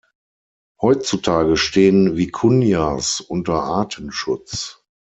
Heutzutage stehen Vikunjas unter Artenschutz.